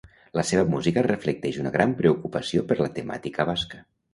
La seva música reflecteix una gran preocupació per la temàtica basca.